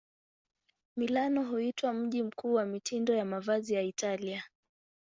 Milano huitwa mji mkuu wa mitindo ya mavazi ya Italia.